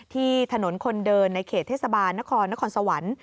ที่ถนนคนเดินในเขตเทศบาลนครนครสวรรค์